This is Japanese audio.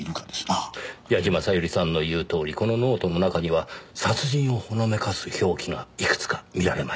矢嶋小百合さんの言うとおりこのノートの中には殺人をほのめかす表記がいくつか見られました。